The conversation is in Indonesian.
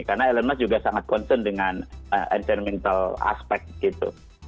karena elon musk juga sangat concern dengan environmental aspect gitu